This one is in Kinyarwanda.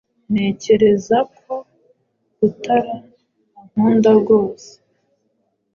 Ntekereza ko Rukara ankunda rwose.